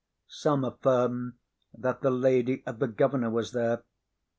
Some affirm that the lady of the governor was there.